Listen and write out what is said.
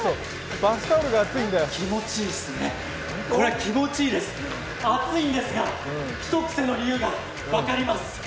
気持ちいいですね、熱いですが、ひとクセの理由が分かります。